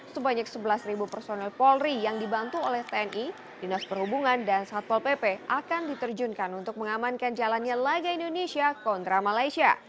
sebanyak sebelas personel polri yang dibantu oleh tni dinas perhubungan dan satpol pp akan diterjunkan untuk mengamankan jalannya laga indonesia kontra malaysia